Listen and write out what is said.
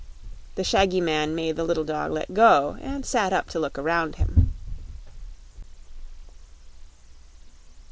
The shaggy man made the little dog let go, and sat up to look around him.